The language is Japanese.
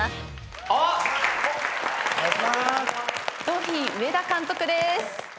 ゾフィー上田監督です。